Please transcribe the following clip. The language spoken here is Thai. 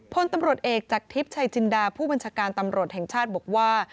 พลตำรวจเอกจากทิพย์ชัยจินดาผู้บัญชาการตำรวจแห่งชาติบอกว่า